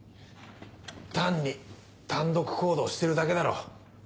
単に単独行動してるだけだろ。